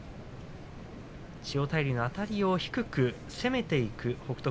千代大龍のあたりを低く攻めていく北勝